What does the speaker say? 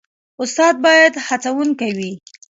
استاد باید هڅونکی وي